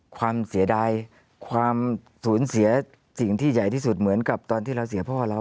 เสียดายความสูญเสียสิ่งที่ใหญ่ที่สุดเหมือนกับตอนที่เราเสียพ่อเรา